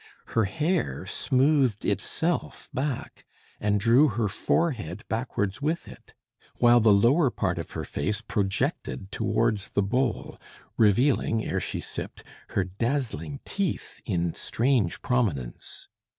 Her hair smoothed itself back, and drew her forehead backwards with it; while the lower part of her face projected towards the bowl, revealing, ere she sipped, her dazzling teeth in strange prominence.